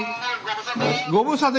ご無沙汰。